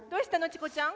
チコちゃん。